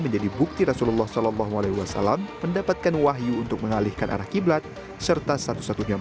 menjadi bukti rasulullah saw mendapatkan wahyu untuk mengalihkan arah qiblat serta satu satunya